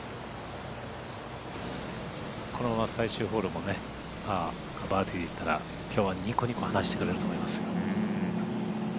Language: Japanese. このまま最終ホールもバーディーでいったらきょうはにこにこ話してくれると思いますよ。